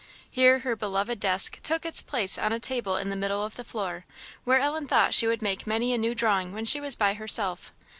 Here her beloved desk took its place on a table in the middle of the floor, where Ellen thought she would make many a new drawing when she was by herself.